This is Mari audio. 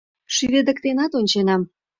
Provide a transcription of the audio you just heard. — Шӱведыктенат онченам.